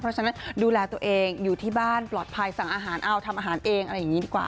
เพราะฉะนั้นดูแลตัวเองอยู่ที่บ้านปลอดภัยสั่งอาหารเอาทำอาหารเองอะไรอย่างนี้ดีกว่า